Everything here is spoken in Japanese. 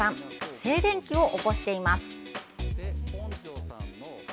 静電気を起こしています。